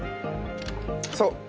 そう。